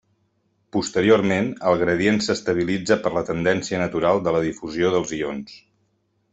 Posteriorment el gradient s'estabilitza per la tendència natural de difusió dels ions.